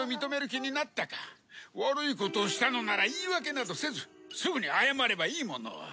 悪いことをしたのなら言い訳などせずすぐに謝ればいいものを。